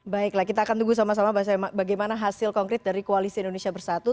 baiklah kita akan tunggu sama sama bagaimana hasil konkret dari koalisi indonesia bersatu